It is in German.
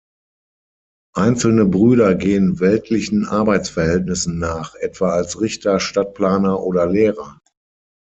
Einzelne Brüder gehen weltlichen Arbeitsverhältnissen nach, etwa als Richter, Stadtplaner oder Lehrer.